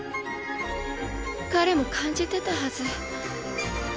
彼も感じてたはず。